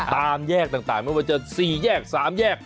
ตามแยกต่างไม่ว่าจะ๔แยก๓แยก